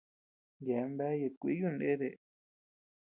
Yeabean bea yat kúiyu nede.